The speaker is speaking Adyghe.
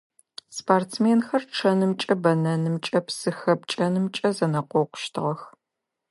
Спортсменхэр чъэнымкӀэ, бэнэнымкӀэ, псы хэпкӀэнымкӀэ зэнэкъокъущтыгъэх.